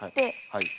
はい。